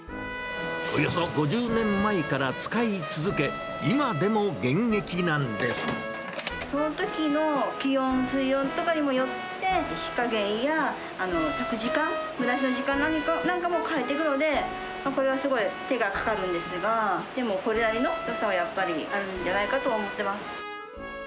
およそ５０年前から使い続け、そのときの気温、水温とかにもよって、火加減や炊く時間、蒸らす時間なんかも変えていくので、これはすごい手がかかるんですが、でも、これなりのよさはやっぱりあるんじゃないかと思ってます。